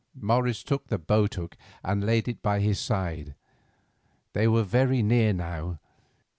Morris took the boat hook and laid it by his side. They were very near now.